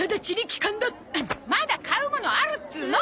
まだ買うものあるっつうの！